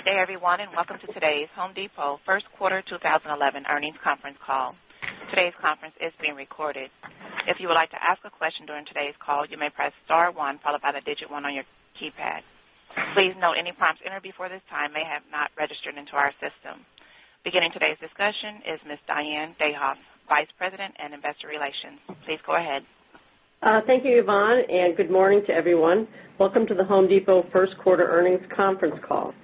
Good day, everyone, and welcome to today's The Home Depot first quarter 2011 earnings conference call. Today's conference is being recorded. If you would like to ask a question during today's call, you may press star one followed by the digit one on your keypad. Please note, any prompt entered before this time may not have registered into our system. Beginning today's discussion is Ms. Diane DeHaaf, Vice President and Investor Relations. Please go ahead. Thank you, Yvonne, and good morning to everyone. Welcome to The Home Depot first quarter earnings conference call.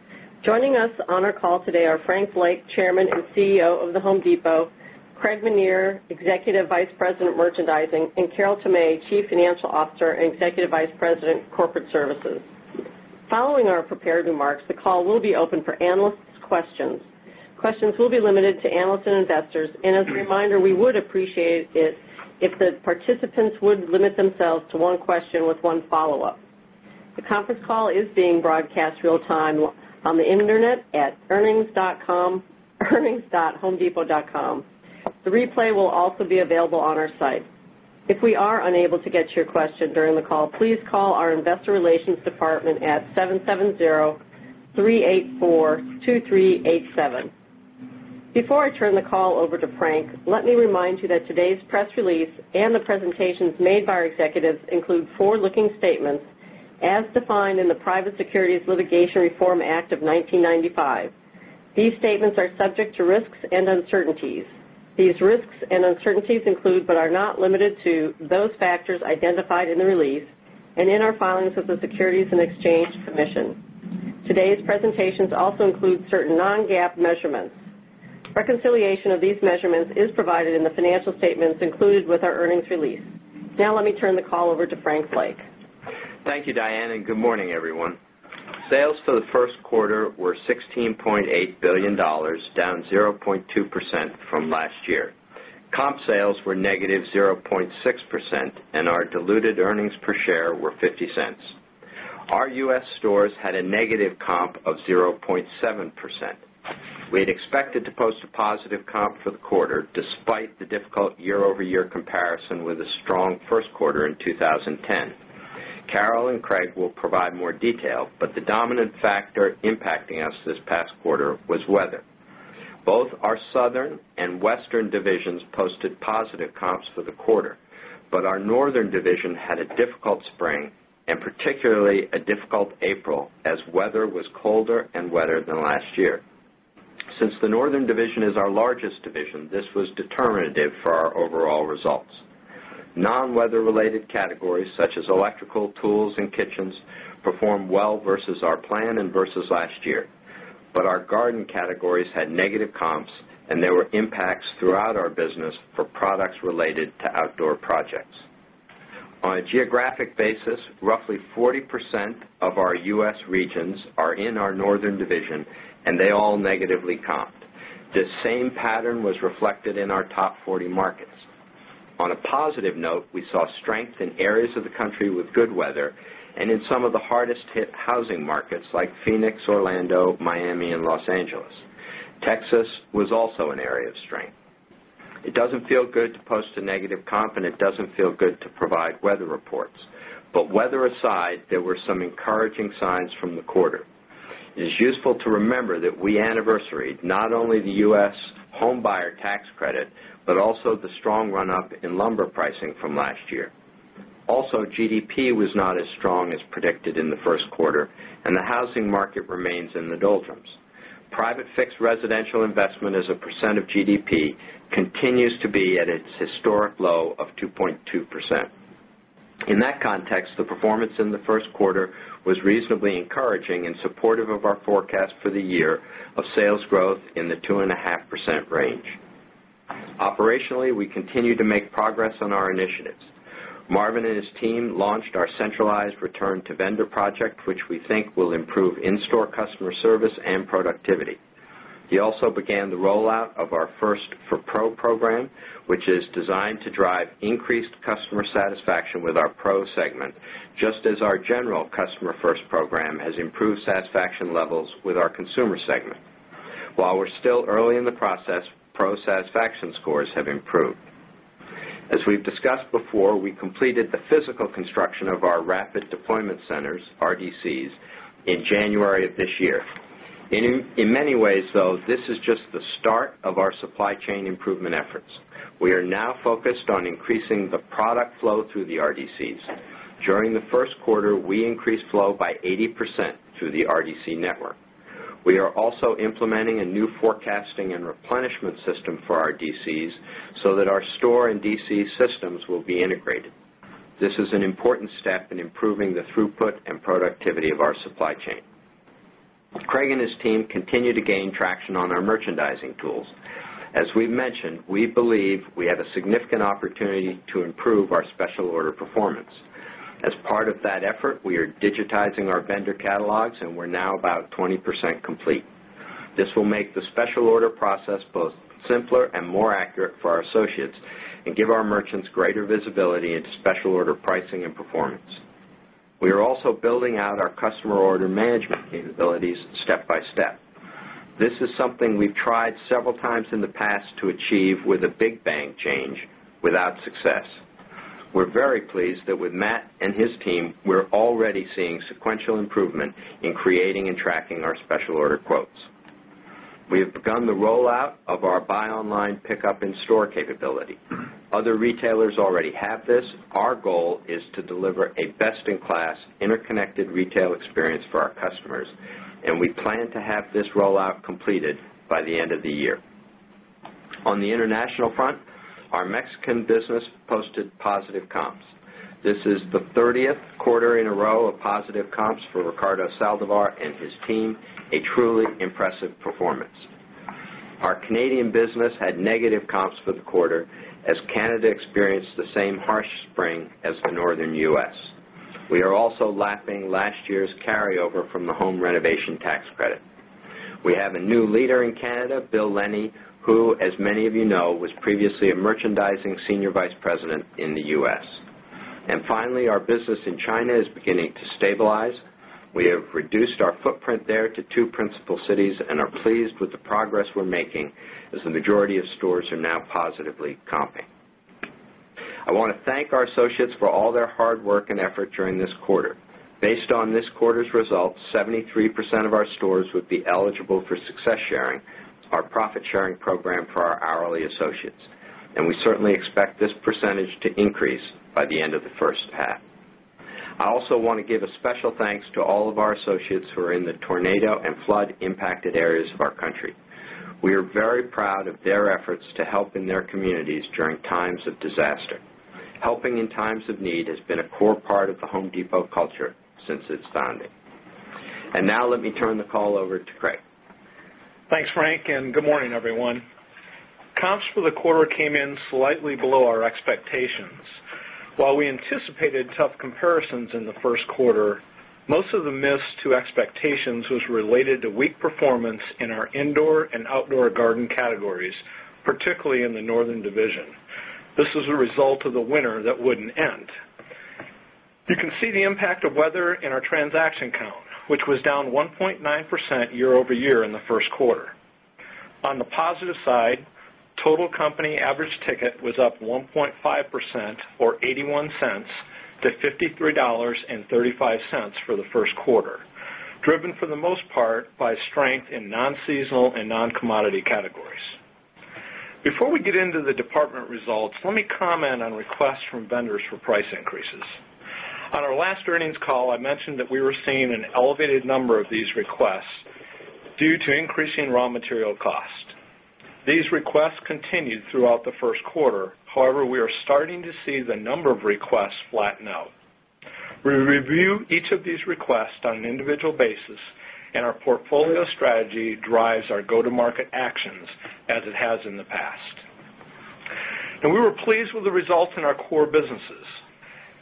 Joining us on our call today are Frank Blake, Chairman and CEO of The Home Depot, Craig Menear, Executive Vice President Merchandising, and Carol Tomé, Chief Financial Officer and Executive Vice President Corporate Services. Following our prepared remarks, the call will be open for analysts' questions. Questions will be limited to analysts and investors, and as a reminder, we would appreciate it if the participants would limit themselves to one question with one follow-up. The conference call is being broadcast real time on the internet at earnings.homedepot.com. The replay will also be available on our site. If we are unable to get your question during the call, please call our Investor Relations Department at 770-384-2387. Before I turn the call over to Frank, let me remind you that today's press release and the presentations made by our executives include forward-looking statements as defined in the Private Securities Litigation Reform Act of 1995. These statements are subject to risks and uncertainties. These risks and uncertainties include, but are not limited to, those factors identified in the release and in our filings with the Securities and Exchange Commission. Today's presentations also include certain non-GAAP measurements. Reconciliation of these measurements is provided in the financial statements included with our earnings release. Now, let me turn the call over to Frank Blake. Thank you, Diane, and good morning, everyone. Sales for the first quarter were $16.8 billion, down 0.2% from last year. Comp sales were negative 0.6%, and our diluted earnings per share were $0.50. Our U.S. stores had a negative comp of 0.7%. We had expected to post a positive comp for the quarter despite the difficult year-over-year comparison with a strong first quarter in 2010. Carol and Craig will provide more detail, but the dominant factor impacting us this past quarter was weather. Both our Southern and Western divisions posted positive comps for the quarter, but our Northern division had a difficult spring and particularly a difficult April as weather was colder and wetter than last year. Since the Northern division is our largest division, this was determinative for our overall results. Non-weather-related categories such as electrical, tools, and kitchens performed well versus our plan and versus last year, but our garden categories had negative comps, and there were impacts throughout our business for products related to outdoor projects. On a geographic basis, roughly 40% of our U.S. regions are in our Northern division, and they all negatively comped. This same pattern was reflected in our top 40 markets. On a positive note, we saw strength in areas of the country with good weather and in some of the hardest-hit housing markets like Phoenix, Orlando, Miami, and Los Angeles. Texas was also an area of strength. It doesn't feel good to post a negative comp, and it doesn't feel good to provide weather reports, but weather aside, there were some encouraging signs from the quarter. It is useful to remember that we anniversary not only the U.S. home buyer tax credit but also the strong run-up in lumber pricing from last year. Also, GDP was not as strong as predicted in the first quarter, and the housing market remains in the doldrums. Private fixed residential investment as a percent of GDP continues to be at its historic low of 2.2%. In that context, the performance in the first quarter was reasonably encouraging and supportive of our forecast for the year of sales growth in the 2.5% range. Operationally, we continue to make progress on our initiatives. Marvin and his team launched our centralized return-to-vendor project, which we think will improve in-store customer service and productivity. He also began the rollout of our First for Pro program, which is designed to drive increased customer satisfaction with our Pro segment, just as our general customer-first program has improved satisfaction levels with our consumer segment. While we're still early in the process, Pro satisfaction scores have improved. As we've discussed before, we completed the physical construction of our rapid deployment centers, RDCs, in January of this year. In many ways, though, this is just the start of our supply chain improvement efforts. We are now focused on increasing the product flow through the RDCs. During the first quarter, we increased flow by 80% through the RDC network. We are also implementing a new forecasting and replenishment system for our DCs so that our store and DC systems will be integrated. This is an important step in improving the throughput and productivity of our supply chain. Craig and his team continue to gain traction on our merchandising tools. As we've mentioned, we believe we have a significant opportunity to improve our special order performance. As part of that effort, we are digitizing our vendor catalogs, and we're now about 20% complete. This will make the special order process both simpler and more accurate for our associates and give our merchants greater visibility into special order pricing and performance. We are also building out our customer order management capabilities step by step. This is something we've tried several times in the past to achieve with a big bang change without success. We're very pleased that with Matt and his team, we're already seeing sequential improvement in creating and tracking our special order quotes. We have begun the rollout of our buy online, pick up in store capability. Other retailers already have this. Our goal is to deliver a best-in-class interconnected retail experience for our customers, and we plan to have this rollout completed by the end of the year. On the international front, our Mexican business posted positive comps. This is the 30th quarter in a row of positive comps for Ricardo Saldivar and his team, a truly impressive performance. Our Canadian business had negative comps for the quarter as Canada experienced the same harsh spring as the Northern U.S. We are also lapping last year's carryover from the home renovation tax credit. We have a new leader in Canada, Bill Lennie, who, as many of you know, was previously a Merchandising Senior Vice President in the U.S. Finally, our business in China is beginning to stabilize. We have reduced our footprint there to two principal cities and are pleased with the progress we're making as the majority of stores are now positively comping. I want to thank our associates for all their hard work and effort during this quarter. Based on this quarter's results, 73% of our stores would be eligible for success sharing, our profit sharing program for our hourly associates, and we certainly expect this percentage to increase by the end of the first half. I also want to give a special thanks to all of our associates who are in the tornado and flood-impacted areas of our country. We are very proud of their efforts to help in their communities during times of disaster. Helping in times of need has been a core part of The Home Depot culture since its founding. Now, let me turn the call over to Craig. Thanks, Frank, and good morning, everyone. Comps for the quarter came in slightly below our expectations. While we anticipated tough comparisons in the first quarter, most of the miss to expectations was related to weak performance in our indoor and outdoor garden categories, particularly in the Northern division. This is a result of the winter that wouldn't end. You can see the impact of weather in our transaction count, which was down 1.9% year-over-year in the first quarter. On the positive side, total company average ticket was up 1.5% or $0.81-$53.35 for the first quarter, driven for the most part by strength in non-seasonal and non-commodity categories. Before we get into the department results, let me comment on requests from vendors for price increases. On our last earnings call, I mentioned that we were seeing an elevated number of these requests due to increasing raw material cost. These requests continued throughout the first quarter, however, we are starting to see the number of requests flatten out. We review each of these requests on an individual basis, and our portfolio strategy drives our go-to-market actions as it has in the past. We were pleased with the results in our core businesses.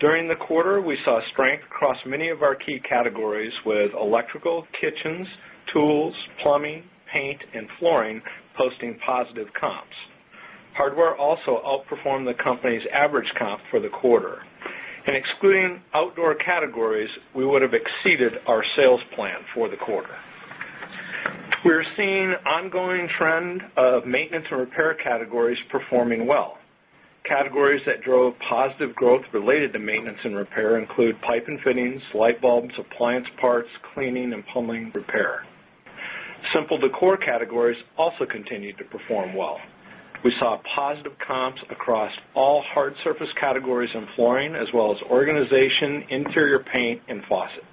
During the quarter, we saw strength across many of our key categories with electrical, kitchens, tools, plumbing, paint, and flooring posting positive comps. Hardware also outperformed the company's average comp for the quarter, and excluding outdoor categories, we would have exceeded our sales plan for the quarter. We are seeing an ongoing trend of maintenance and repair categories performing well. Categories that drove positive growth related to maintenance and repair include pipe and fittings, light bulbs, appliance parts, cleaning, and plumbing repair. Simple decor categories also continued to perform well. We saw positive comps across all hard surface categories and flooring, as well as organization, interior paint, and faucets.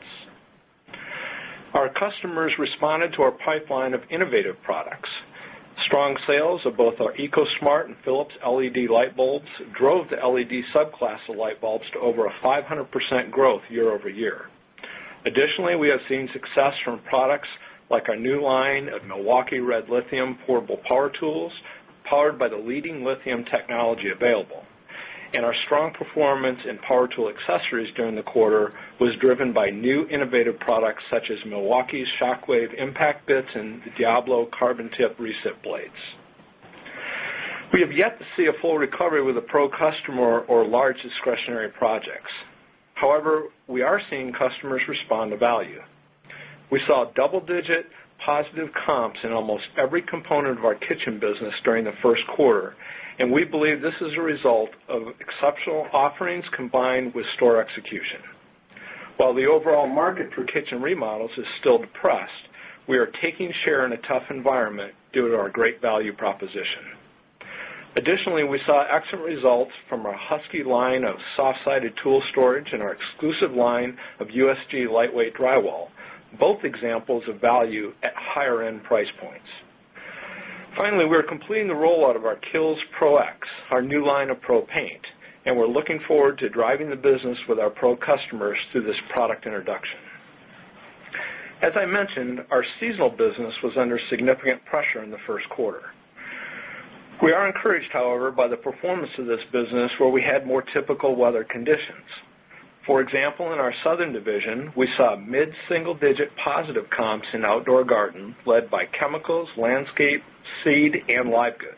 Our customers responded to our pipeline of innovative products. Strong sales of both our EcoSmart and Philips LED light bulbs drove the LED subclass of light bulbs to over a 500% growth year-over-year. Additionally, we have seen success from products like our new line of Milwaukee Red Lithium portable power tools powered by the leading lithium technology available, and our strong performance in power tool accessories during the quarter was driven by new innovative products such as Milwaukee's Shockwave impact bits and Diablo carbon tip reset blades. We have yet to see a full recovery with a pro customer or large discretionary projects. However, we are seeing customers respond to value. We saw double-digit positive comps in almost every component of our kitchen business during the first quarter, and we believe this is a result of exceptional offerings combined with store execution. While the overall market for kitchen remodels is still depressed, we are taking share in a tough environment due to our great value proposition. Additionally, we saw excellent results from our Husky line of soft-sided tool storage and our exclusive line of USG lightweight drywall, both examples of value at higher-end price points. Finally, we are completing the rollout of our Kiehl's Pro X, our new line of Pro Paint, and we're looking forward to driving the business with our pro customers through this product introduction. As I mentioned, our seasonal business was under significant pressure in the first quarter. We are encouraged, however, by the performance of this business where we had more typical weather conditions. For example, in our Southern division, we saw mid-single-digit positive comps in outdoor garden led by chemicals, landscape, seed, and live goods.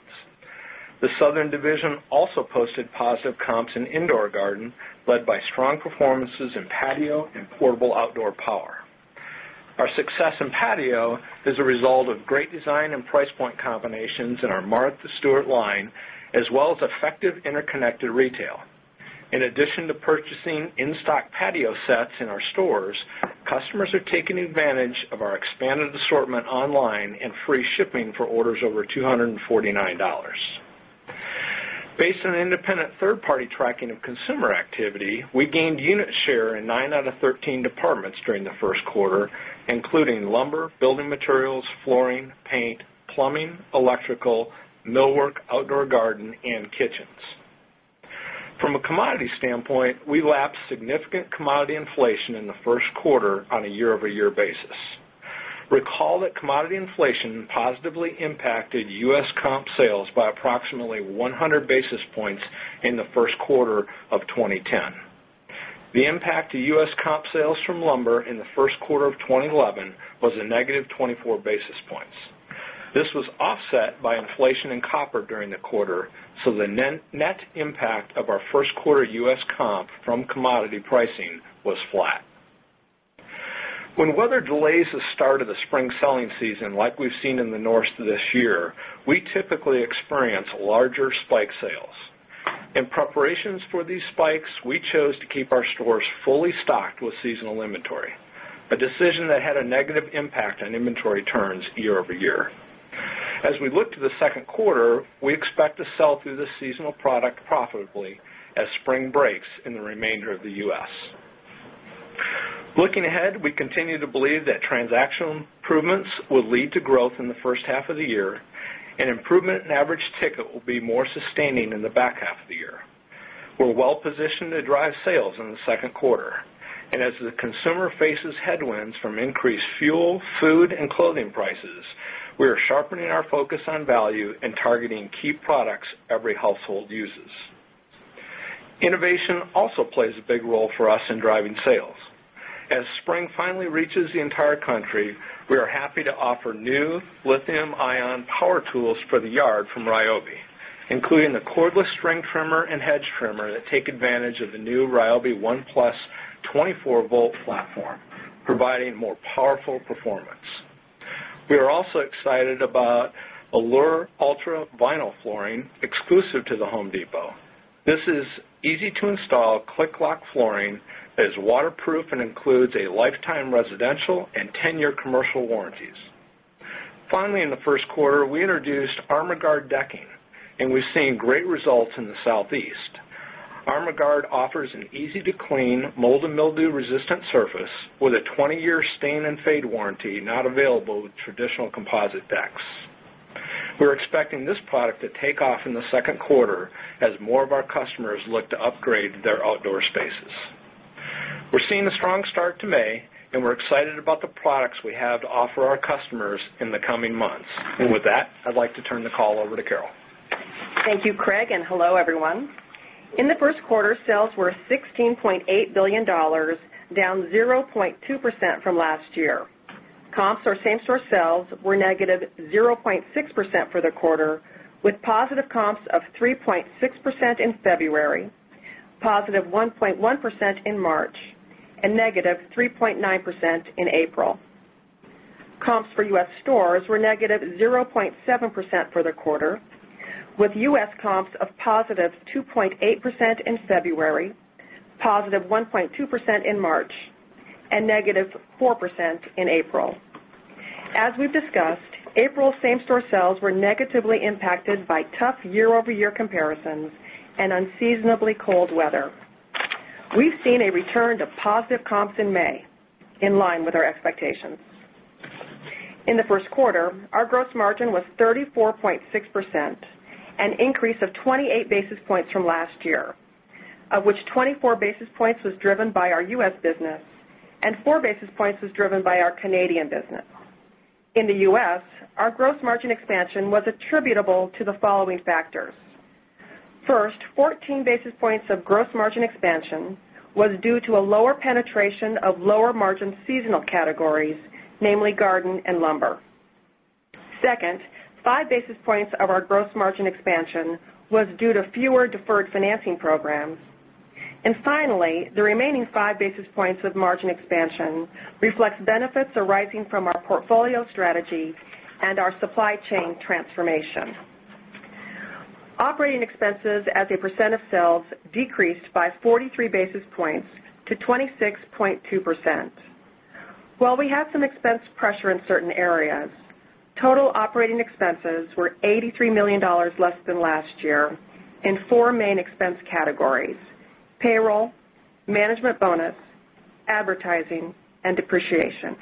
The Southern division also posted positive comps in indoor garden led by strong performances in patio and portable outdoor power. Our success in patio is a result of great design and price point combinations in our Martha Stewart line, as well as effective interconnected retail. In addition to purchasing in-stock patio sets in our stores, customers are taking advantage of our expanded assortment online and free shipping for orders over $249. Based on independent third-party tracking of consumer activity, we gained unit share in 9 out of 13 departments during the first quarter, including lumber, building materials, flooring, paint, plumbing, electrical, millwork, outdoor garden, and kitchens. From a commodity standpoint, we lapped significant commodity inflation in the first quarter on a year-over-year basis. Recall that commodity inflation positively impacted U.S. Comp sales by approximately 100 basis points in the first quarter of 2010. The impact to U.S. comp sales from lumber in the first quarter of 2011 was a negative 24 basis points. This was offset by inflation in copper during the quarter, so the net impact of our first quarter U.S. comp from commodity pricing was flat. When weather delays the start of the spring selling season, like we've seen in the U.S. North this year, we typically experience larger spike sales. In preparations for these spikes, we chose to keep our stores fully stocked with seasonal inventory, a decision that had a negative impact on inventory turns year-over-year. As we look to the second quarter, we expect to sell through the seasonal product profitably as spring breaks in the remainder of the U.S. Looking ahead, we continue to believe that transactional improvements will lead to growth in the first half of the year, and improvement in average ticket will be more sustaining in the back half of the year. We're well positioned to drive sales in the second quarter, and as the consumer faces headwinds from increased fuel, food, and clothing prices, we are sharpening our focus on value and targeting key products every household uses. Innovation also plays a big role for us in driving sales. As spring finally reaches the entire country, we are happy to offer new lithium-ion power tools for the yard from Ryobi, including the cordless string trimmer and hedge trimmer that take advantage of the new Ryobi ONE+ 24-volt platform, providing more powerful performance. We are also excited about Allure Ultra vinyl flooring exclusive to The Home Depot. This is easy-to-install, click-lock flooring that is waterproof and includes a lifetime residential and 10-year commercial warranties. Finally, in the first quarter, we introduced ArmorGuard decking, and we've seen great results in the Southeast. ArmorGuard offers an easy-to-clean, mold and mildew-resistant surface with a 20-year stain and fade warranty not available with traditional composite decks. We're expecting this product to take off in the second quarter as more of our customers look to upgrade their outdoor spaces. We're seeing a strong start to May, and we're excited about the products we have to offer our customers in the coming months. With that, I'd like to turn the call over to Carol. Thank you, Craig, and hello, everyone. In the first quarter, sales were $16.8 billion, down 0.2% from last year. Comps or same-store sales were negative 0.6% for the quarter, with positive comps of 3.6% in February, +1.1% in March, and -3.9% in April. Comps for U.S. stores were negative 0.7% for the quarter, with U.S. comps of +2.8% in February, positive 1.2% in March, and -4% in April. As we've discussed, April same-store sales were negatively impacted by tough year-over-year comparisons and unseasonably cold weather. We've seen a return to positive comps in May, in line with our expectations. In the first quarter, our gross margin was 34.6%, an increase of 28 basis points from last year, of which 24 basis points were driven by our U.S. business and 4 basis points were driven by our Canadian business. In the U.S., our gross margin expansion was attributable to the following factors. First, 14 basis points of gross margin expansion were due to a lower penetration of lower margin seasonal categories, namely garden and lumber. Second, 5 basis points of our gross margin expansion were due to fewer deferred financing programs. Finally, the remaining 5 basis points of margin expansion reflect benefits arising from our portfolio strategy and our supply chain transformation. Operating expenses as a percent of sales decreased by 43 basis points to 26.2%. While we had some expense pressure in certain areas, total operating expenses were $83 million less than last year in four main expense categories: payroll, management bonus, advertising, and depreciation.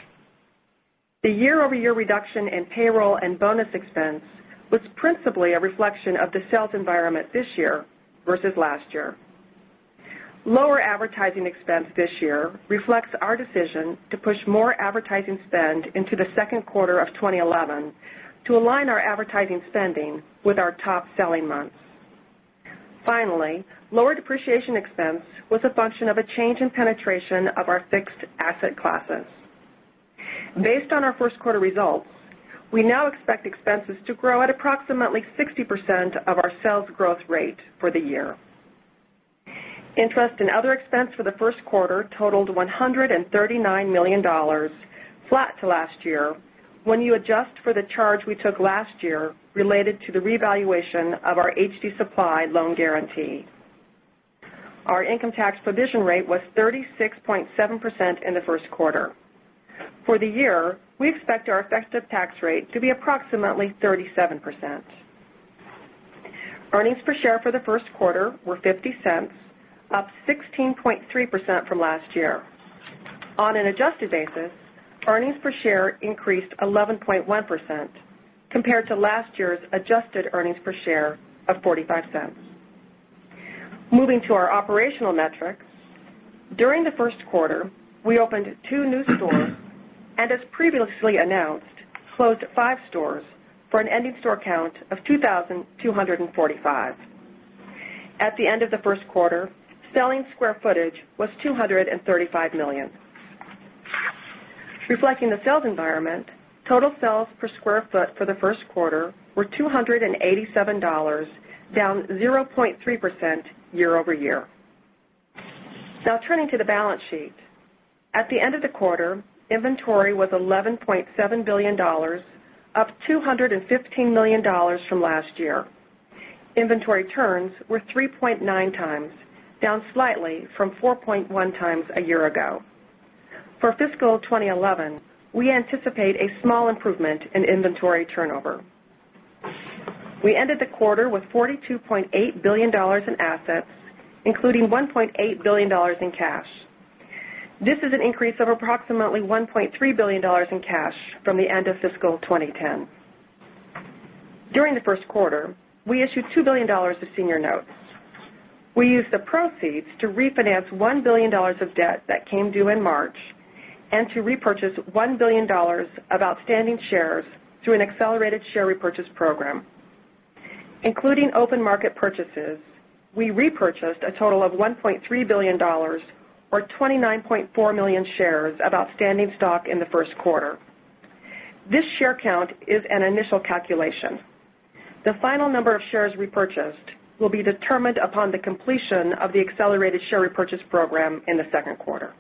The year-over-year reduction in payroll and bonus expense was principally a reflection of the sales environment this year versus last year. Lower advertising expense this year reflects our decision to push more advertising spend into the second quarter of 2011 to align our advertising spending with our top selling month. Finally, lower depreciation expense was a function of a change in penetration of our fixed asset classes. Based on our first quarter results, we now expect expenses to grow at approximately 60% of our sales growth rate for the year. Interest and other expense for the first quarter totaled $139 million, flat to last year, when you adjust for the charge we took last year related to the revaluation of our HD Supply loan guarantee. Our income tax provision rate was 36.7% in the first quarter. For the year, we expect our effective tax rate to be approximately 37%. Earnings per share for the first quarter were $0.50, up 16.3% from last year. On an adjusted basis, earnings per share increased 11.1% compared to last year's adjusted earnings per share of $0.45. Moving to our operational metric, during the first quarter, we opened two new stores and, as previously announced, closed five stores for an ending store count of 2,245. At the end of the first quarter, selling square footage was 235 million. Reflecting the sales environment, total sales per square foot for the first quarter were $287, down 0.3% year-over-year. Now, turning to the balance sheet, at the end of the quarter, inventory was $11.7 billion, up $215 million from last year. Inventory turns were 3.9x, down slightly from 4.1x a year ago. For fiscal 2011, we anticipate a small improvement in inventory turnover. We ended the quarter with $42.8 billion in assets, including $1.8 billion in cash. This is an increase of approximately $1.3 billion in cash from the end of fiscal 2010. During the first quarter, we issued $2 billion of senior notes. We used the proceeds to refinance $1 billion of debt that came due in March and to repurchase $1 billion of outstanding shares through an accelerated share repurchase program. Including open market purchases, we repurchased a total of $1.3 billion or 29.4 million shares of outstanding stock in the first quarter. This share count is an initial calculation. The final number of shares repurchased will be determined upon the completion of the accelerated share repurchase program in the second quarter.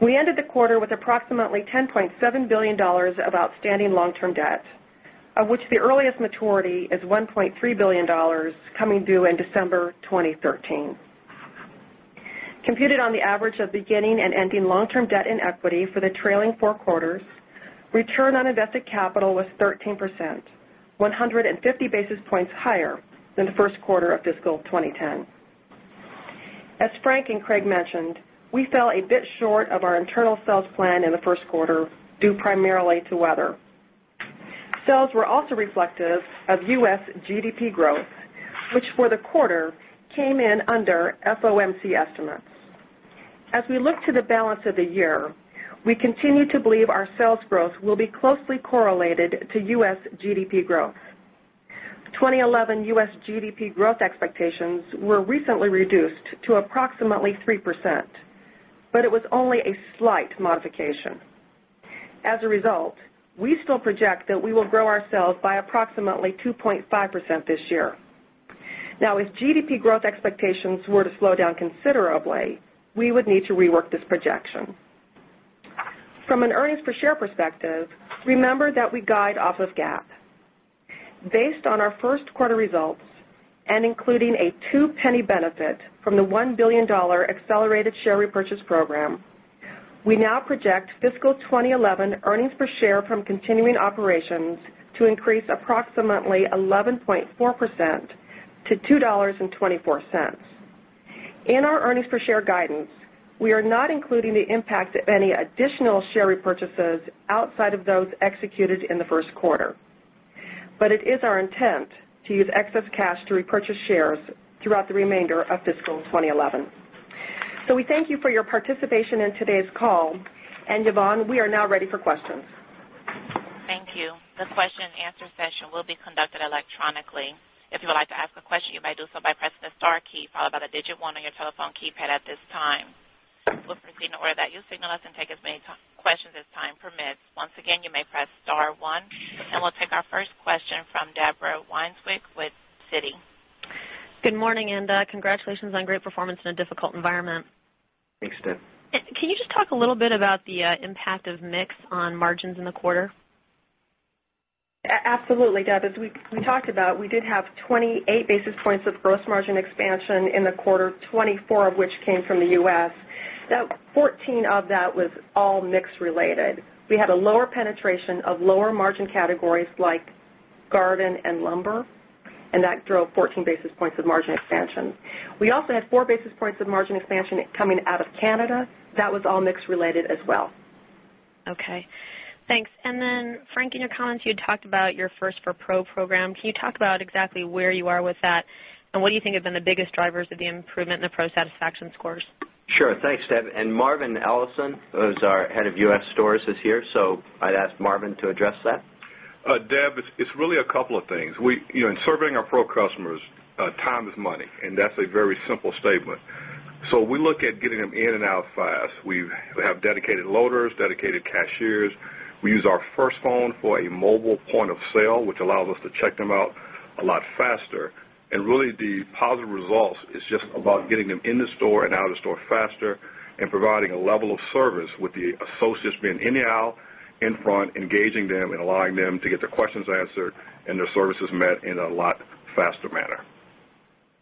We ended the quarter with approximately $10.7 billion of outstanding long-term debt, of which the earliest maturity is $1.3 billion coming due in December 2013. Computed on the average of beginning and ending long-term debt in equity for the trailing four quarters, return on invested capital was 13%, 150 basis points higher than the first quarter of fiscal 2010. As Frank and Craig mentioned, we fell a bit short of our internal sales plan in the first quarter due primarily to weather. Sales were also reflective of U.S. GDP growth, which for the quarter came in under FOMC estimates. As we look to the balance of the year, we continue to believe our sales growth will be closely correlated to U.S. GDP growth. 2011 U.S. GDP growth expectations were recently reduced to approximately 3%, but it was only a slight modification. As a result, we still project that we will grow our sales by approximately 2.5% this year. Now, if GDP growth expectations were to slow down considerably, we would need to rework this projection. From an earnings per share perspective, remember that we guide off of GAAP. Based on our first quarter results and including a $0.02 benefit from the $1 billion accelerated share repurchase program, we now project fiscal 2011 earnings per share from continuing operations to increase approximately 11.4%-$2.24. In our earnings per share guidance, we are not including the impact of any additional share repurchases outside of those executed in the first quarter, but it is our intent to use excess cash to repurchase shares throughout the remainder of fiscal 2011. We thank you for your participation in today's call, and Yvonne, we are now ready for questions. Thank you. The question and answer session will be conducted electronically. If you would like to ask a question, you may do so by pressing the star key followed by the digit one on your telephone keypad at this time. We'll proceed in the order that you signal us and take as many questions as time permits. Once again, you may press star one. We'll take our first question from Deborah Weinswig with Citi. Good morning, and congratulations on great performance in a difficult environment. Thanks, Deb. Can you just talk a little bit about the impact of mix on margins in the quarter? Absolutely, Deb. As we talked about, we did have 28 basis points of gross margin expansion in the quarter, 24 of which came from the U.S. Now, 14 of that was all mix related. We had a lower penetration of lower margin categories like garden and lumber, and that drove 14 basis points of margin expansion. We also had 4 basis points of margin expansion coming out of Canada. That was all mix related as well. Okay, thanks. Frank, in your comments, you talked about your First for Pro program. Can you talk about exactly where you are with that, and what do you think have been the biggest drivers of the improvement in the Pro satisfaction scores? Sure, thanks, Deb. Marvin Ellison is our Head of U.S. Stores this year, so I'd ask Marvin to address that. Deb, it's really a couple of things. In serving our pro customers, time is money, and that's a very simple statement. We look at getting them in and out fast. We have dedicated loaders, dedicated cashiers. We use our first phone for a mobile point of sale, which allows us to check them out a lot faster. The positive results are just about getting them in the store and out of the store faster and providing a level of service with the associates being in the aisle, in front, engaging them, and allowing them to get their questions answered and their services met in a lot faster manner.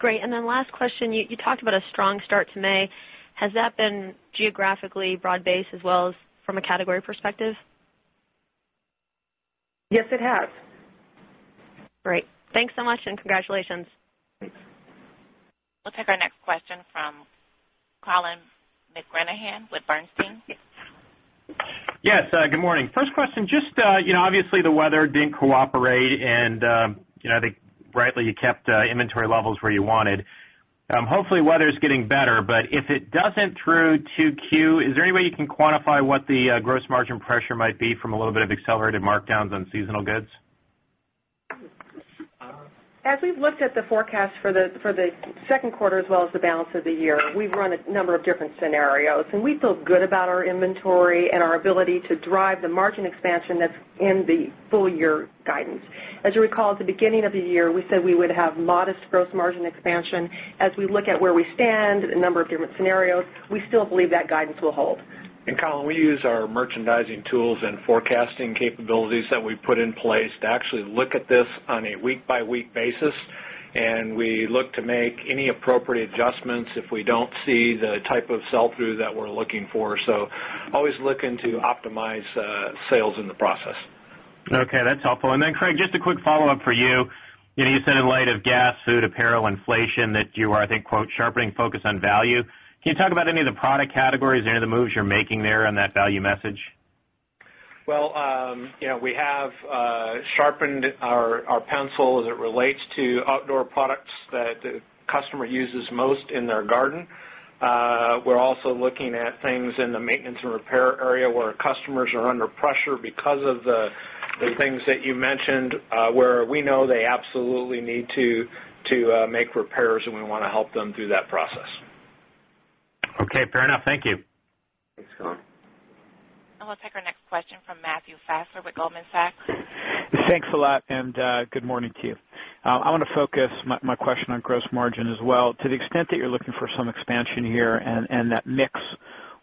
Great. Last question, you talked about a strong start to May. Has that been geographically broad-based as well as from a category perspective? Yes, it has. Great. Thanks so much, and congratulations. Thanks. We'll take our next question from Colin McGranahan with Bernstein. Yes. Yes, good morning. First question, just, you know, obviously the weather didn't cooperate, and you know, I think rightly you kept inventory levels where you wanted. Hopefully, weather is getting better, but if it doesn't through 2Q, is there any way you can quantify what the gross margin pressure might be from a little bit of accelerated markdowns on seasonal goods? As we've looked at the forecast for the second quarter as well as the balance of the year, we've run a number of different scenarios, and we feel good about our inventory and our ability to drive the margin expansion that's in the full-year guidance. As you recall, at the beginning of the year, we said we would have modest gross margin expansion. As we look at where we stand, a number of different scenarios, we still believe that guidance will hold. We use our merchandising tools and forecasting capabilities that we put in place to actually look at this on a week-by-week basis, and we look to make any appropriate adjustments if we don't see the type of sell-through that we're looking for. Always looking to optimize sales in the process. Okay, that's helpful. Craig, just a quick follow-up for you. You said in light of gas, food, apparel, inflation that you are, I think, quote, "sharpening focus on value." Can you talk about any of the product categories or any of the moves you're making there on that value message? We have sharpened our pencil as it relates to outdoor products that the customer uses most in their garden. We're also looking at things in the maintenance and repair area where customers are under pressure because of the things that you mentioned, where we know they absolutely need to make repairs, and we want to help them through that process. Okay, fair enough. Thank you. Thanks, Colin. We will take our next question from Matthew Fassler with Goldman Sachs. Thanks a lot, and good morning to you. I want to focus my question on gross margin as well. To the extent that you're looking for some expansion here and that mix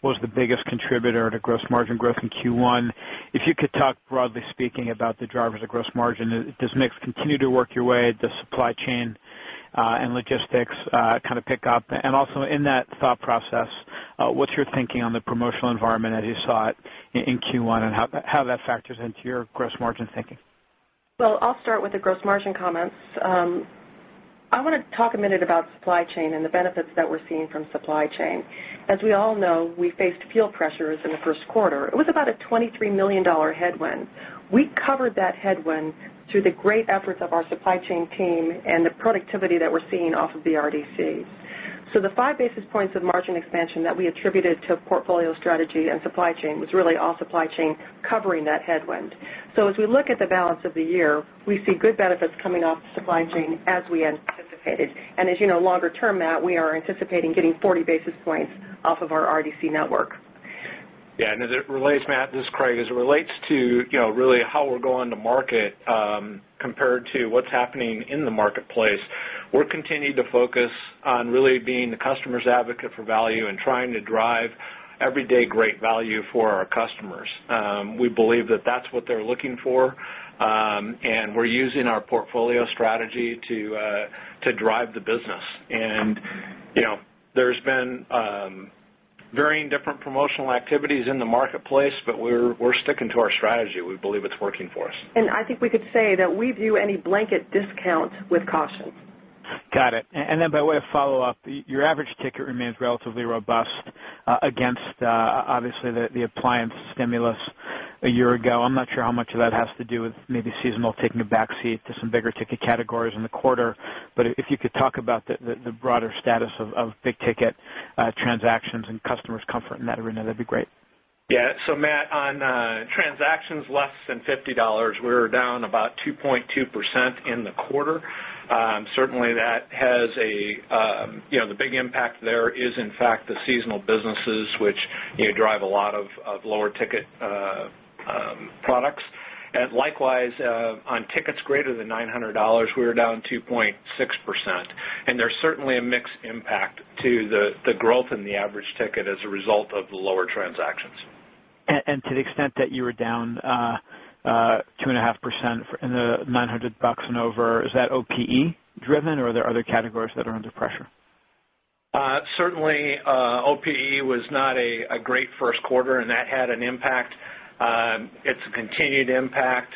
was the biggest contributor to gross margin growth in Q1, if you could talk broadly speaking about the drivers of gross margin, does mix continue to work your way? Does supply chain and logistics kind of pick up? Also, in that thought process, what's your thinking on the promotional environment as you saw it in Q1 and how that factors into your gross margin thinking? I'll start with the gross margin comments. I want to talk a minute about supply chain and the benefits that we're seeing from supply chain. As we all know, we faced fuel pressures in the first quarter. It was about a $23 million headwind. We covered that headwind through the great efforts of our supply chain team and the productivity that we're seeing off of the RDCs. The 5 basis points of margin expansion that we attributed to portfolio strategy and supply chain was really all supply chain covering that headwind. As we look at the balance of the year, we see good benefits coming off the supply chain as we anticipated. As you know, longer term, Matt, we are anticipating getting 40 basis points off of our RDC network. Yeah, as it relates, Matt, this is Craig, as it relates to how we're going to market compared to what's happening in the marketplace, we're continuing to focus on really being the customer's advocate for value and trying to drive everyday great value for our customers. We believe that that's what they're looking for, and we're using our portfolio strategy to drive the business. There's been varying different promotional activities in the marketplace, but we're sticking to our strategy. We believe it's working for us. We could say that we view any blanket discounts with caution. Got it. And then, by way of follow-up, your average ticket remains relatively robust against, obviously, the appliance stimulus a year ago. I'm not sure how much of that has to do with maybe seasonal taking a backseat to some bigger ticket categories in the quarter, but if you could talk about the broader status of big ticket transactions and customers' comfort in that arena, that'd be great. Yeah, so Matt, on transactions less than $50, we were down about 2.2% in the quarter. Certainly, the big impact there is, in fact, the seasonal businesses, which drive a lot of lower ticket products. Likewise, on tickets greater than $900, we were down 2.6%. There's certainly a mix impact to the growth in the average ticket as a result of the lower transactions. To the extent that you were down 2.5% in the $900 and over, is that OPE-driven, or are there other categories that are under pressure? Certainly, OPE was not a great first quarter, and that had an impact. It's a continued impact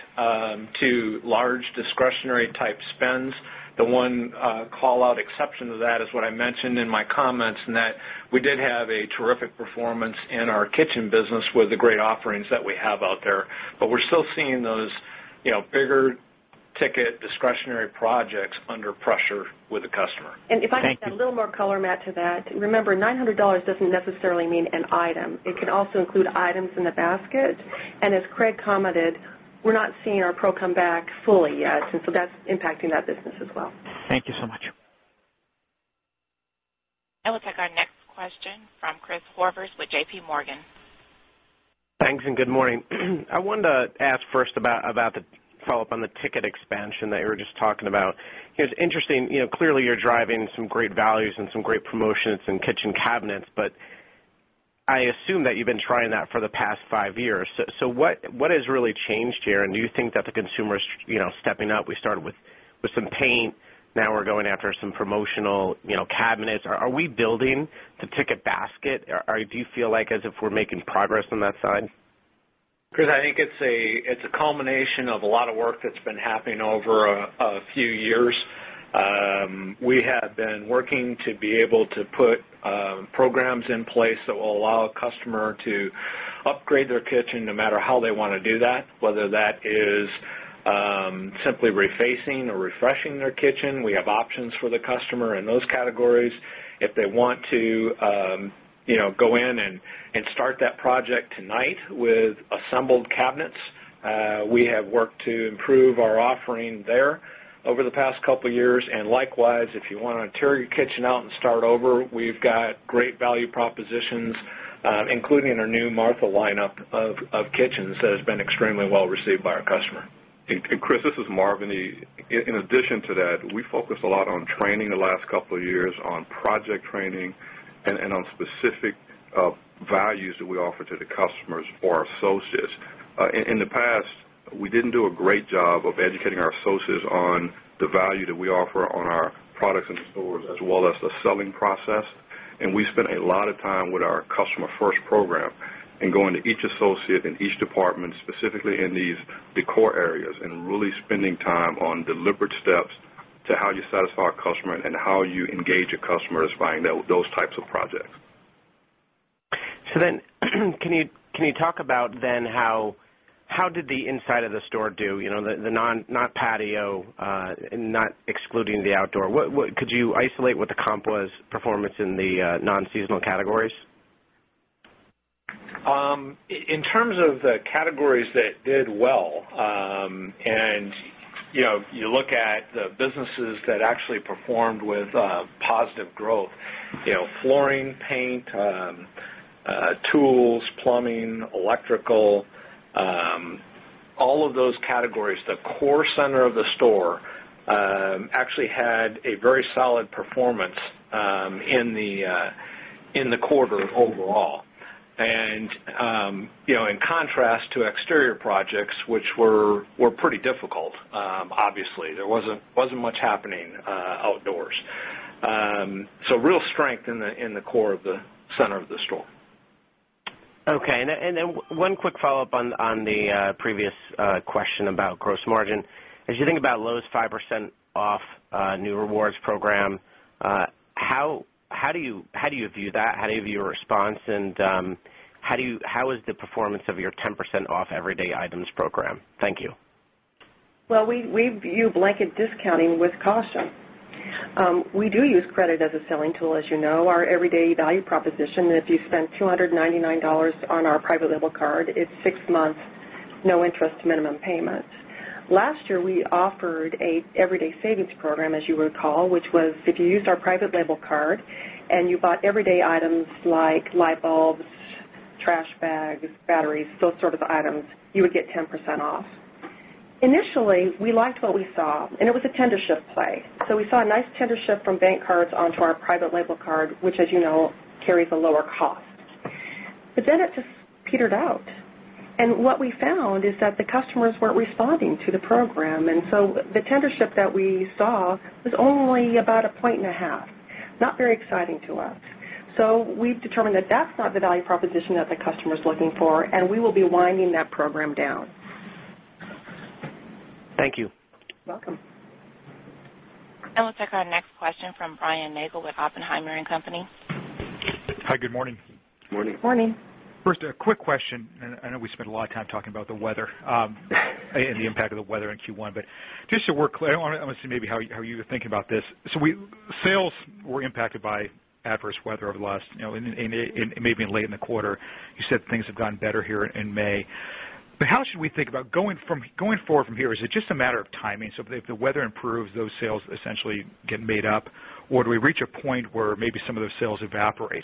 to large discretionary type spends. The one call-out exception to that is what I mentioned in my comments, and that we did have a terrific performance in our kitchen business with the great offerings that we have out there, but we're still seeing those bigger ticket discretionary projects under pressure with the customer. If I could add a little more color, Matt, to that, remember, $900 doesn't necessarily mean an item. It could also include items in the basket. As Craig commented, we're not seeing our pro come back fully yet, and so that's impacting that business as well. Thank you so much. We will take our next question from Chris Horvers with JPMorgan. Thanks, and good morning. I wanted to ask first about the follow-up on the ticket expansion that you were just talking about. It was interesting, you know, clearly you're driving some great values and some great promotions in kitchen cabinets, but I assume that you've been trying that for the past five years. What has really changed here, and do you think that the consumer is stepping up? We started with some paint. Now we're going after some promotional cabinets. Are we building the ticket basket? Do you feel like as if we're making progress on that side? Chris, I think it's a culmination of a lot of work that's been happening over a few years. We have been working to be able to put programs in place that will allow a customer to upgrade their kitchen no matter how they want to do that, whether that is simply refacing or refreshing their kitchen. We have options for the customer in those categories. If they want to go in and start that project tonight with assembled cabinets, we have worked to improve our offering there over the past couple of years. Likewise, if you want to tear your kitchen out and start over, we've got great value propositions, including our new Martha lineup of kitchens that has been extremely well received by our customer. Chris, this is Marvin. In addition to that, we focus a lot on training the last couple of years on project training and on specific values that we offer to the customers for our associates. In the past, we didn't do a great job of educating our associates on the value that we offer on our products and stores as well as the selling process. We spent a lot of time with our customer-first program and going to each associate in each department, specifically in these decor areas, and really spending time on deliberate steps to how you satisfy a customer and how you engage a customer that's buying those types of projects. Can you talk about how did the inside of the store do, you know, the non-patio and not excluding the outdoor? Could you isolate what the comp was performance in the non-seasonal categories? In terms of the categories that did well, you know, you look at the businesses that actually performed with positive growth, you know, flooring, paint, tools, plumbing, electrical, all of those categories, the core center of the store actually had a very solid performance in the quarter overall. In contrast to exterior projects, which were pretty difficult, obviously, there wasn't much happening outdoors. Real strength in the core of the center of the store. Okay, and then one quick follow-up on the previous question about gross margin. As you think about Lowe's 5% off new rewards program, how do you view that? How do you view your response, and how is the performance of your 10% off everyday items program? Thank you. We view blanket discounting with caution. We do use credit as a selling tool, as you know, our everyday value proposition. If you spend $299 on our private label card, it's six months, no interest minimum payment. Last year, we offered an everyday savings program, as you recall, which was if you used our private label card and you bought everyday items like light bulbs, trash bags, batteries, those sorts of items, you would get 10% off. Initially, we liked what we saw, and it was a tendership play. We saw a nice tendership from bank cards onto our private label card, which, as you know, carries a lower cost. It just petered out. What we found is that the customers weren't responding to the program, and the tendership that we saw was only about a point and a half, not very exciting to us. We've determined that that's not the value proposition that the customer is looking for, and we will be winding that program down. Thank you. Welcome. Let's take our next question from Brian Nagel with Oppenheimer & Company. Hi, good morning. Morning. Morning. First, a quick question. I know we spent a lot of time talking about the weather and the impact of the weather in Q1, but just so we're clear, I want to see maybe how you're thinking about this. Sales were impacted by adverse weather over the last, you know, and maybe late in the quarter. You said things have gotten better here in May. How should we think about going forward from here? Is it just a matter of timing? If the weather improves, do those sales essentially get made up, or do we reach a point where maybe some of those sales evaporate?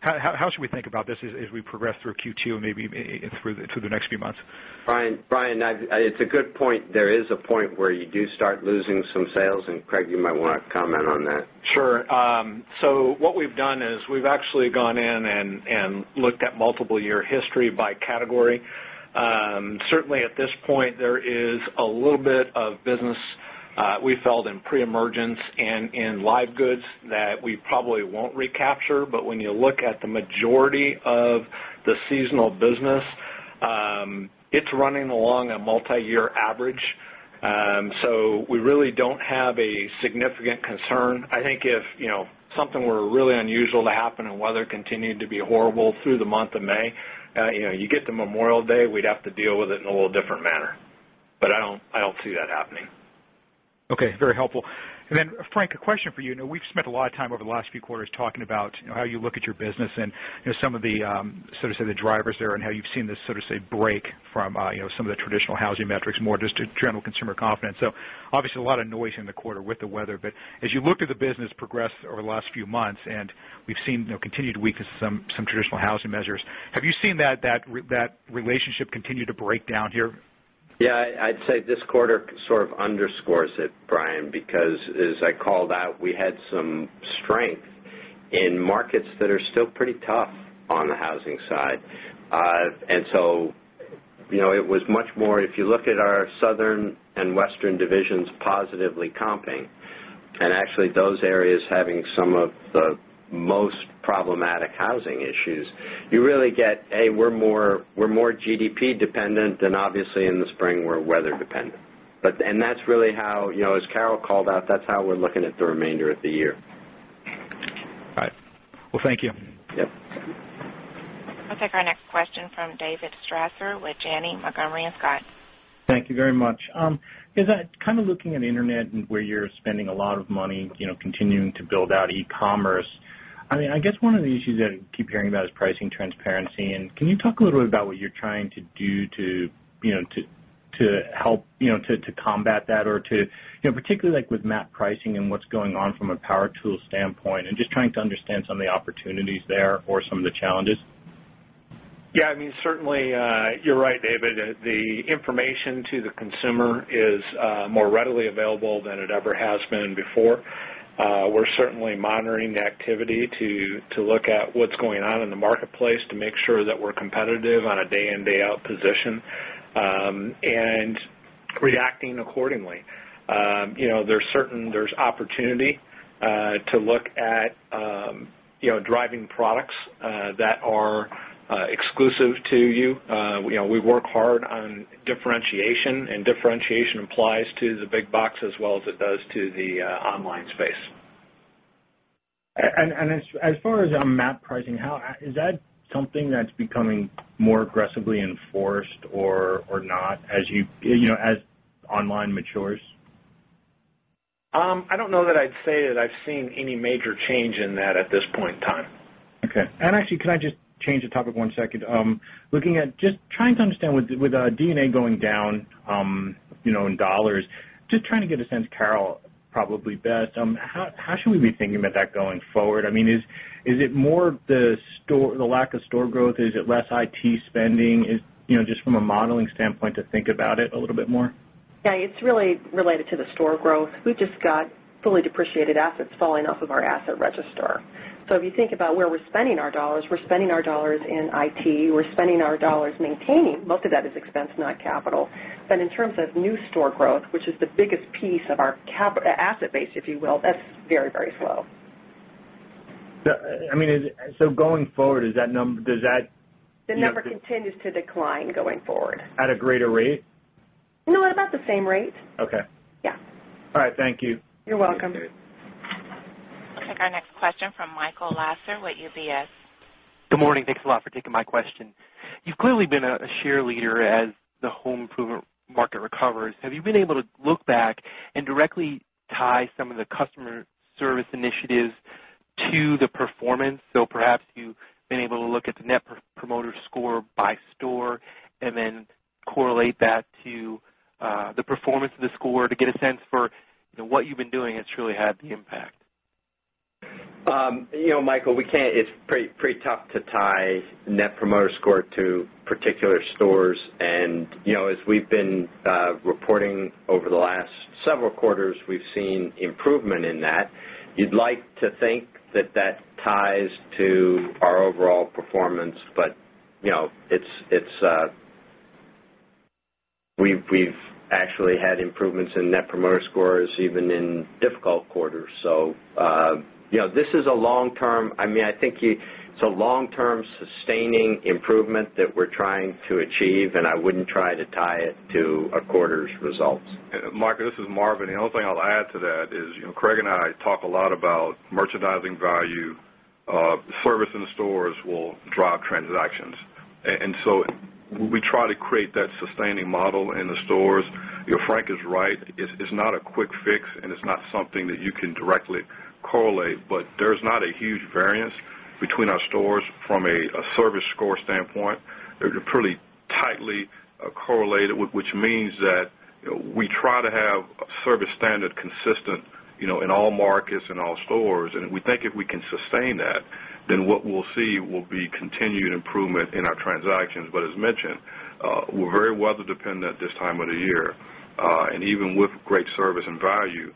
How should we think about this as we progress through Q2 and maybe through the next few months? Brian, it's a good point. There is a point where you do start losing some sales, and Craig, you might want to comment on that. Sure. What we've done is we've actually gone in and looked at multiple-year history by category. Certainly, at this point, there is a little bit of business we felt in pre-emergence and in live goods that we probably won't recapture. When you look at the majority of the seasonal business, it's running along a multi-year average. We really don't have a significant concern. I think if something were really unusual to happen and weather continued to be horrible through the month of May, you get to Memorial Day, we'd have to deal with it in a little different manner. I don't see that happening. Okay, very helpful. Frank, a question for you. We've spent a lot of time over the last few quarters talking about how you look at your business and some of the drivers there and how you've seen this, so to say, break from some of the traditional housing metrics, more just general consumer confidence. Obviously, a lot of noise in the quarter with the weather, but as you looked at the business progress over the last few months and we've seen continued weakness in some traditional housing measures, have you seen that relationship continue to break down here? I'd say this quarter sort of underscores it, Brian, because as I called out, we had some strength in markets that are still pretty tough on the housing side. It was much more, if you look at our Southern and Western divisions, positively comping. Actually, those areas having some of the most problematic housing issues, you really get, A, we're more GDP dependent and obviously in the spring, we're weather dependent. That's really how, as Carol called out, that's how we're looking at the remainder of the year. All right. Thank you. We'll take our next question from David Strasser with Janney Montgomery Scott. Thank you very much. As I'm kind of looking at the internet and where you're spending a lot of money, continuing to build out e-commerce, I guess one of the issues that I keep hearing about is pricing transparency. Can you talk a little bit about what you're trying to do to help combat that, particularly with map pricing and what's going on from a power tool standpoint, and just trying to understand some of the opportunities there or some of the challenges? Yeah, certainly, you're right, David. The information to the consumer is more readily available than it ever has been before. We're certainly monitoring the activity to look at what's going on in the marketplace to make sure that we're competitive on a day-in, day-out position and reacting accordingly. There's opportunity to look at driving products that are exclusive to you. We work hard on differentiation, and differentiation applies to the big box as well as it does to the online space. As far as map pricing, is that something that's becoming more aggressively enforced or not as online matures? I don't know that I'd say that I've seen any major change in that at this point in time. Okay. Can I just change the topic one second? Looking at just trying to understand with DNA going down in dollars, just trying to get a sense, Carol, probably best, how should we be thinking about that going forward? Is it more the lack of store growth? Is it less IT spending? Just from a modeling standpoint to think about it a little bit more? Yeah, it's really related to the store growth. We've just got fully depreciated assets falling off of our asset register. If you think about where we're spending our dollars, we're spending our dollars in IT. We're spending our dollars maintaining most of that as expense, not capital. In terms of new store growth, which is the biggest piece of our asset base, if you will, that's very, very slow. Going forward, does that number, does that. The number continues to decline going forward. At a greater rate? No, about the same rate. Okay. Yeah. All right, thank you. You're welcome. We'll take our next question from Michael Lasser with UBS. Good morning. Thanks a lot for taking my question. You've clearly been a share leader as the home improvement market recovers. Have you been able to look back and directly tie some of the customer service initiatives to the performance? Perhaps you've been able to look at the net promoter score by store and then correlate that to the performance of the store to get a sense for what you've been doing that's really had the impact? You know, Michael, we can't, it's pretty tough to tie net promoter score to particular stores. As we've been reporting over the last several quarters, we've seen improvement in that. You'd like to think that that ties to our overall performance, but we've actually had improvements in net promoter scores even in difficult quarters. This is a long-term, I mean, I think it's a long-term sustaining improvement that we're trying to achieve, and I wouldn't try to tie it to a quarter's results. Marco, this is Marvin. The only thing I'll add to that is, you know, Craig and I talk a lot about merchandising value. Service in the stores will drive transactions, and so we try to create that sustaining model in the stores. Frank is right. It's not a quick fix, and it's not something that you can directly correlate, but there's not a huge variance between our stores from a service score standpoint. They're pretty tightly correlated, which means that we try to have a service standard consistent, you know, in all markets and all stores. We think if we can sustain that, then what we'll see will be continued improvement in our transactions. As mentioned, we're very weather dependent at this time of the year. Even with great service and value,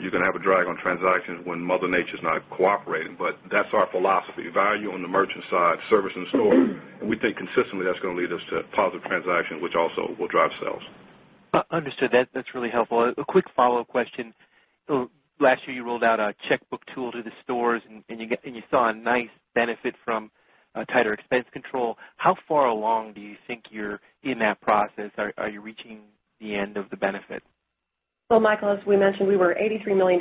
you're going to have a drag on transactions when Mother Nature is not cooperating. That's our philosophy. Value on the merchant side, service in the store, and we think consistently that's going to lead us to positive transactions, which also will drive sales. Understood. That's really helpful. A quick follow-up question. Last year, you rolled out a checkbook tool to the stores, and you saw a nice benefit from tighter expense control. How far along do you think you're in that process? Are you reaching the end of the benefit? Michael, as we mentioned, we were $83 million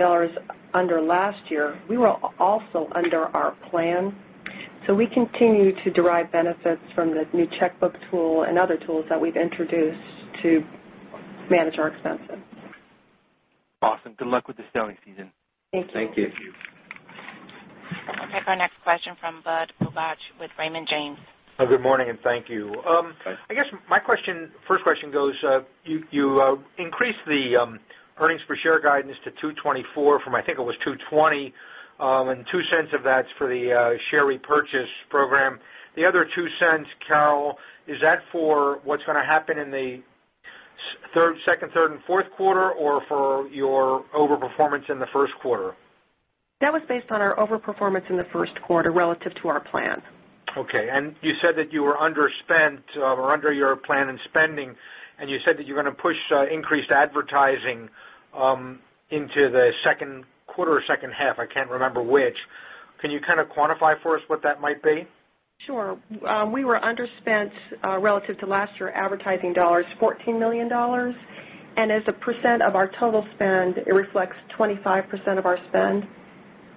under last year. We were also under our plan. We continue to derive benefits from the new checkbook tool and other tools that we've introduced to manage our expenses. Awesome. Good luck with the selling season. Thank you. Thank you. Okay, our next question from Budd Bugatch with Raymond James. Good morning, and thank you. I guess my question, first question goes, you increased the earnings per share guidance to $2.24 from, I think it was $2.20, and $0.02 of that's for the share repurchase program. The other $0.02, Carol, is that for what's going to happen in the second, third, and fourth quarter, or for your overperformance in the first quarter? That was based on our overperformance in the first quarter relative to our plan. Okay. You said that you were underspent or under your plan in spending, and you said that you're going to push increased advertising into the second quarter or second half. I can't remember which. Can you kind of quantify for us what that might be? Sure. We were underspent relative to last year's advertising dollars, $14 million. As a % of our total spend, it reflects 25% of our spend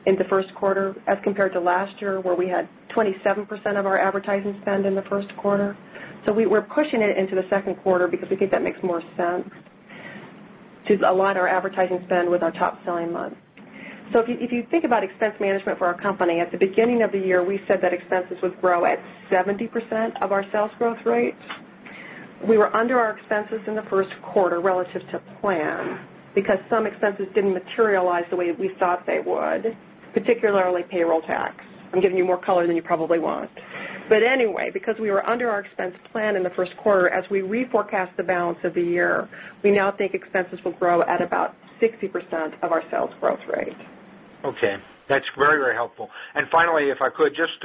in the first quarter as compared to last year, where we had 27% of our advertising spend in the first quarter. We were pushing it into the second quarter because we think that makes more sense to align our advertising spend with our top selling month. If you think about expense management for our company, at the beginning of the year, we said that expenses would grow at 70% of our sales growth rate. We were under our expenses in the first quarter relative to plan because some expenses didn't materialize the way we thought they would, particularly payroll tax. I'm giving you more color than you probably want. Anyway, because we were under our expense plan in the first quarter, as we reforecast the balance of the year, we now think expenses will grow at about 60% of our sales growth rate. Okay. That's very, very helpful. Finally, if I could, just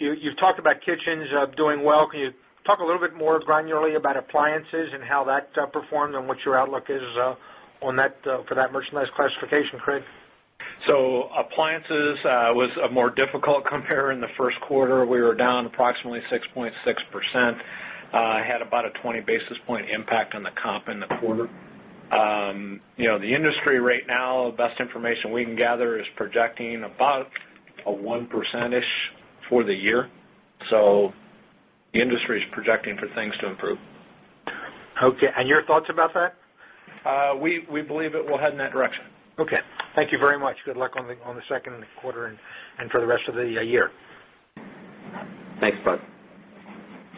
you've talked about kitchens doing well. Can you talk a little bit more granularly about appliances and how that performed and what your outlook is for that merchandise classification, Craig? Appliances was a more difficult comparer in the first quarter. We were down approximately 6.6%. It had about a 20 basis point impact on the comp in the quarter. The industry right now, the best information we can gather is projecting about a 1% for the year. The industry is projecting for things to improve. Okay. Your thoughts about that? We believe it will head in that direction. Okay. Thank you very much. Good luck on the second quarter and for the rest of the year. Thanks, Bud.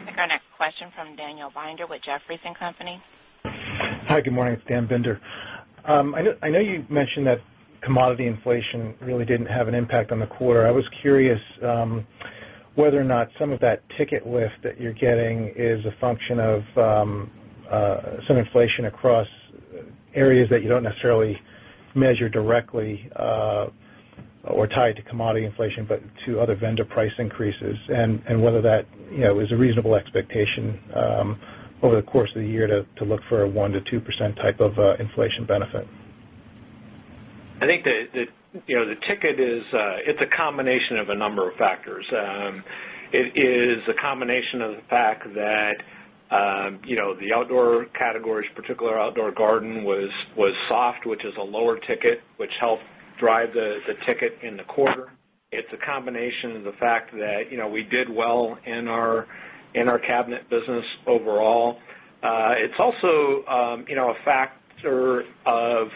Take our next question from Daniel Binder with Jefferies & Company. Hi, good morning. It's Dan Binder. I know you mentioned that commodity inflation really didn't have an impact on the quarter. I was curious whether or not some of that ticket lift that you're getting is a function of some inflation across areas that you don't necessarily measure directly or tie to commodity inflation, but to other vendor price increases and whether that is a reasonable expectation over the course of the year to look for a 1%-2% type of inflation benefit. I think that the ticket is a combination of a number of factors. It is a combination of the fact that the outdoor categories, particularly our outdoor garden, was soft, which is a lower ticket, which helped drive the ticket in the quarter. It is a combination of the fact that we did well in our cabinet business overall. It is also a factor of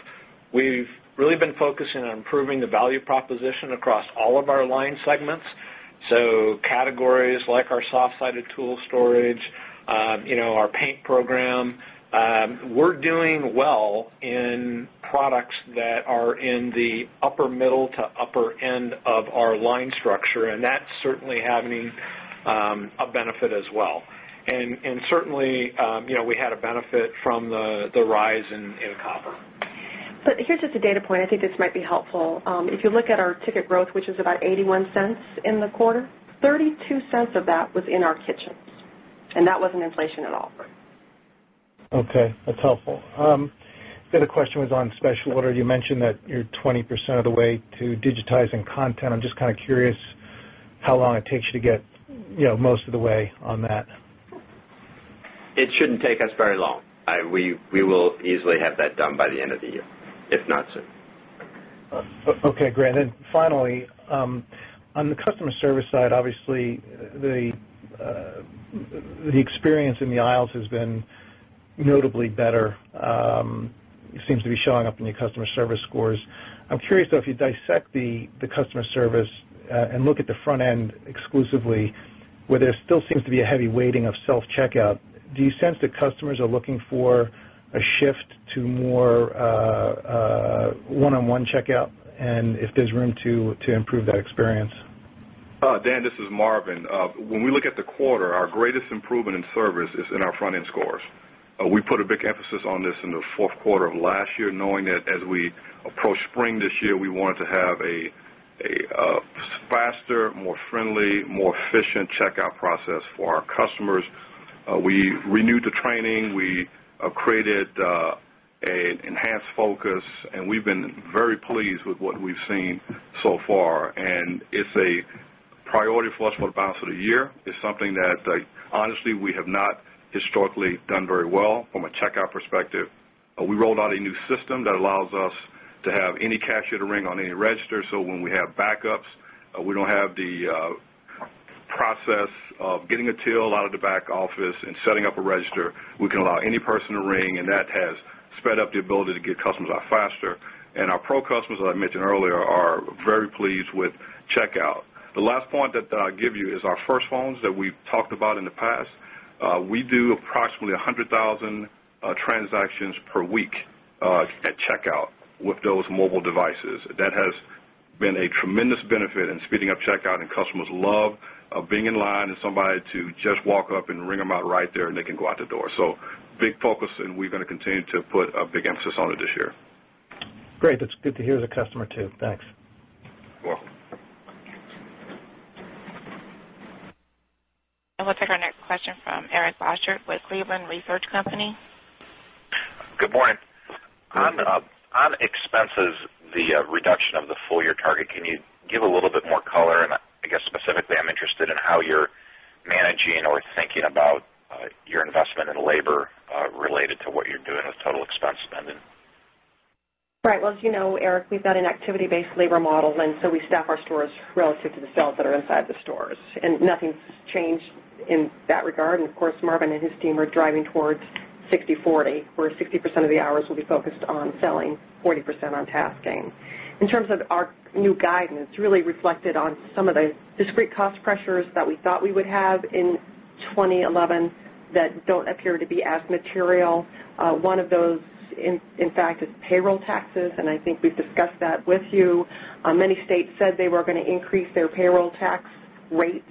we've really been focusing on improving the value proposition across all of our line segments. Categories like our soft-sided tool storage, our paint program, we're doing well in products that are in the upper middle to upper end of our line structure, and that's certainly having a benefit as well. Certainly, we had a benefit from the rise in copper. Here's just a data point. I think this might be helpful. If you look at our ticket growth, which is about $0.81 in the quarter, $0.32 of that was in our kitchens. That wasn't inflation at all. Okay, that's helpful. The other question was on special order. You mentioned that you're 20% of the way to digitizing content. I'm just kind of curious how long it takes you to get most of the way on that. It shouldn't take us very long. We will easily have that done by the end of the year, if not sooner. Okay, great. Finally, on the customer service side, obviously, the experience in the aisles has been notably better. It seems to be showing up in your customer service scores. I'm curious, though, if you dissect the customer service and look at the front end exclusively, where there still seems to be a heavy weighting of self-checkout, do you sense that customers are looking for a shift to more one-on-one checkout and if there's room to improve that experience? Dan, this is Marvin. When we look at the quarter, our greatest improvement in service is in our front-end scores. We put a big emphasis on this in the fourth quarter of last year, knowing that as we approach spring this year, we wanted to have a faster, more friendly, more efficient checkout process for our customers. We renewed the training. We created an enhanced focus, and we've been very pleased with what we've seen so far. It's a priority for us for the balance of the year. It's something that, honestly, we have not historically done very well from a checkout perspective. We rolled out a new system that allows us to have any cashier ring on any register. When we have backups, we don't have the process of getting a till out of the back office and setting up a register. We can allow any person to ring, and that has sped up the ability to get customers out faster. Our pro customers, as I mentioned earlier, are very pleased with checkout. The last point that I'll give you is our first phones that we talked about in the past. We do approximately 100,000 transactions per week at checkout with those mobile devices. That has been a tremendous benefit in speeding up checkout, and customers love being in line and somebody to just walk up and ring them out right there, and they can go out the door. Big focus, and we're going to continue to put a big emphasis on it this year. Great. That's good to hear as a customer too. Thanks. We will take our next question from Eric Boschert with Cleveland Research Company. Good morning. On expenses, the reduction of the full-year target, can you give a little bit more color? Specifically, I'm interested in how you're managing or thinking about your investment in labor related to what you're doing with total expense spending. Right. As you know, Eric, we've got an activity-based labor model, and we staff our stores relative to the sales that are inside the stores. Nothing's changed in that regard. Of course, Marvin and his team are driving towards 60/40, where 60% of the hours will be focused on selling, 40% on tasking. In terms of our new guidance, it's really reflected on some of the discrete cost pressures that we thought we would have in 2011 that don't appear to be as material. One of those, in fact, is payroll taxes, and I think we've discussed that with you. Many states said they were going to increase their payroll tax rates.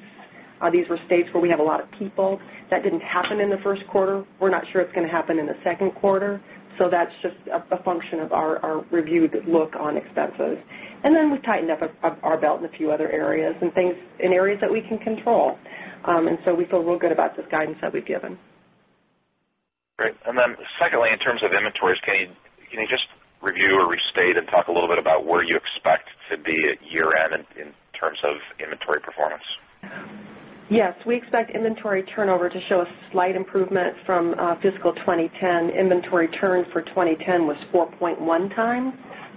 These were states where we have a lot of people. That didn't happen in the first quarter. We're not sure it's going to happen in the second quarter. That's just a function of our reviewed look on expenses. We've tightened up our belt in a few other areas and things in areas that we can control. We feel real good about this guidance that we've given. Great. Secondly, in terms of inventories, can you just review or restate and talk a little bit about where you expect to be at year-end in terms of inventory performance? Yes, we expect inventory turnover to show a slight improvement from fiscal 2010. Inventory turn for 2010 was 4.1x,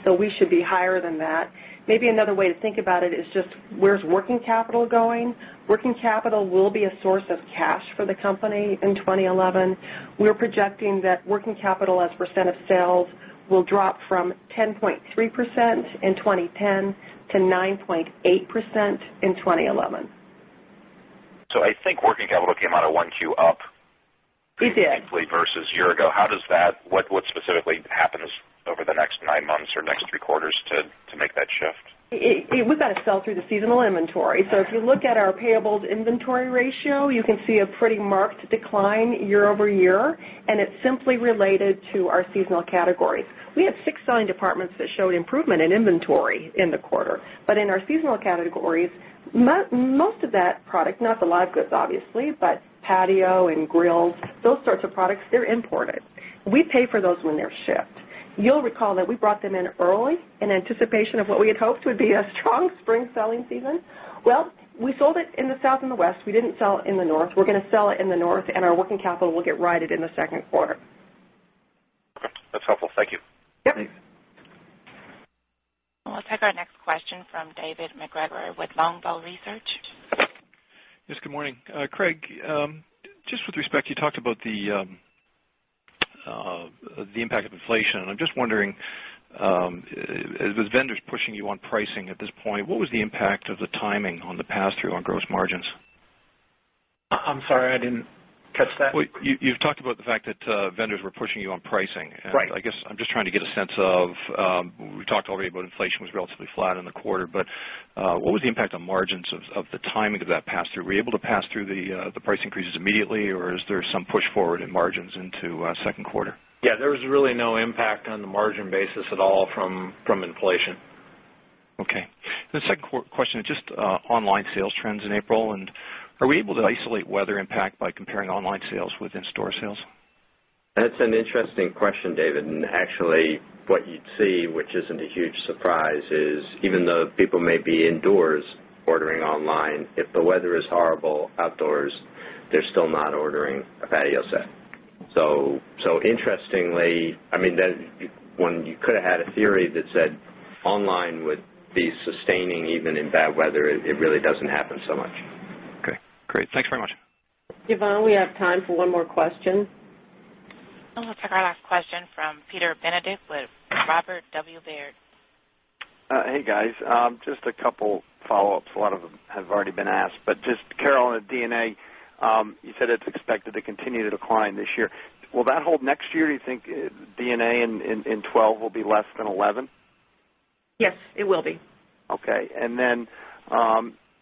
so we should be higher than that. Maybe another way to think about it is just where's working capital going? Working capital will be a source of cash for the company in 2011. We're projecting that working capital as a percent of sales will drop from 10.3% in 2010 to 9.8% in 2011. I think working capital came out of one, two up. It did. Versus a year ago, how does that, what specifically happened over the next nine months or next three quarters to make that shift? It was going to sell through the seasonal inventory. If you look at our payables inventory ratio, you can see a pretty marked decline year-over-year, and it's simply related to our seasonal categories. We had six selling departments that showed improvement in inventory in the quarter. In our seasonal categories, most of that product, not the live goods, obviously, but patio and grills, those sorts of products, they're imported. We pay for those when they're shipped. You'll recall that we brought them in early in anticipation of what we had hoped would be a strong spring selling season. We sold it in the south and the west. We didn't sell it in the north. We're going to sell it in the north, and our working capital will get righted in the second quarter. That's helpful. Thank you. Yep. Thanks. We will take our next question from David McGill with Longbow Research. Yes, good morning. Craig, just with respect, you talked about the impact of inflation, and I'm just wondering, as vendors pushing you on pricing at this point, what was the impact of the timing on the pass-through on gross margins? I'm sorry, I didn't catch that. You've talked about the fact that vendors were pushing you on pricing. Right. I'm just trying to get a sense of, we talked already about inflation was relatively flat in the quarter, but what was the impact on margins of the timing of that pass-through? Were you able to pass through the price increases immediately, or is there some push forward in margins into the second quarter? Yeah, there was really no impact on the margin basis at all from inflation. Okay. The second question is just online sales trends in April, and are we able to isolate weather impact by comparing online sales with in-store sales? That's an interesting question, David. What you'd see, which isn't a huge surprise, is even though people may be indoors ordering online, if the weather is horrible outdoors, they're still not ordering a patio set. Interestingly, I mean, that one you could have had a theory that said online would be sustaining even in bad weather. It really doesn't happen so much. Okay, great. Thanks very much. Yvonne, we have time for one more question. We'll take our last question from Peter Benedict with Robert W. Baird. Hey guys, just a couple follow-ups. A lot of them have already been asked, but just Carol, on DNA, you said it's expected to continue to decline this year. Will that hold next year? Do you think DNA in 2024 will be less than 2023? Yes, it will be. Okay.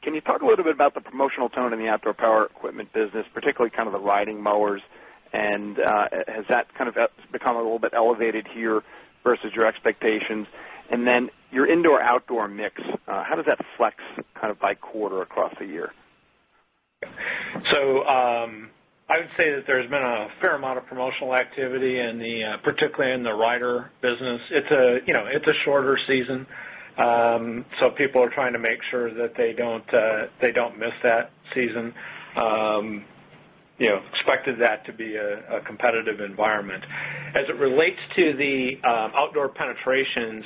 Can you talk a little bit about the promotional tone in the outdoor power equipment business, particularly kind of the riding mowers? Has that kind of become a little bit elevated here versus your expectations? Your indoor-outdoor mix, how does that flex kind of by quarter across the year? Yeah. I would say that there's been a fair amount of promotional activity, particularly in the rider business. It's a shorter season, so people are trying to make sure that they don't miss that season. You expected that to be a competitive environment. As it relates to the outdoor penetrations,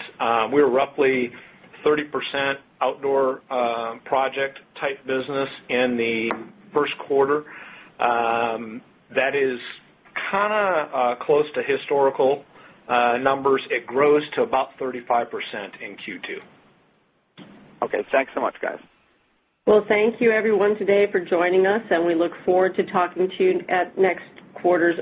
we're roughly 30% outdoor project type business in the first quarter. That is kind of close to historical numbers. It grows to about 35% in Q2. Okay, thanks so much, guys. Thank you everyone today for joining us, and we look forward to talking to you at next quarter's.